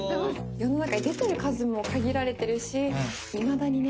世の中に出てる数も限られてるしいまだにね